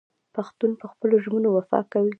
پښتون په خپلو ژمنو وفا کوي.